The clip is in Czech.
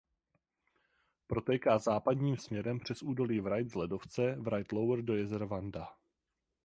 Protéká západním směrem přes údolí Wright z ledovce Wright Lower do jezera Vanda.